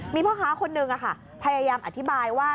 มีพ่อค้าคนนึงพยายามอธิบายว่า